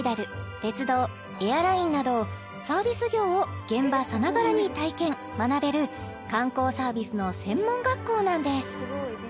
鉄道エアラインなどサービス業を現場さながらに体験学べる観光サービスの専門学校なんです